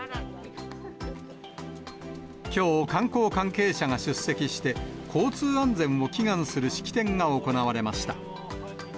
きょう、観光関係者が出席して、交通安全を祈願する式典が行われました。